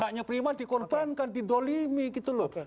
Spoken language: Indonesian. hanya prima dikorbankan didolimi gitu lho